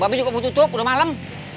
babi juga mau cucuk udah malem